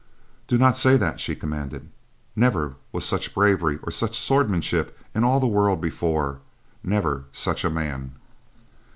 "Do not say that," she commanded. "Never was such bravery or such swordsmanship in all the world before; never such a man."